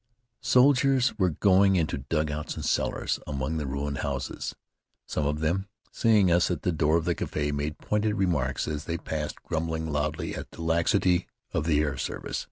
Soldiers were going into dugouts and cellars among the ruined houses. Some of them, seeing us at the door of the café, made pointed remarks as they passed, grumbling loudly at the laxity of the air service.